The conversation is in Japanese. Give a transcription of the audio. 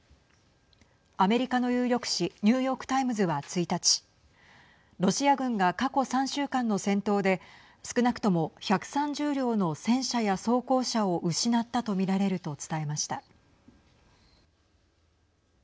アメリカの有力紙ニューヨーク・タイムズは１日ロシア軍が過去３週間の戦闘で少なくとも１３０両の戦車や装甲車を失ったと見られると伝えました。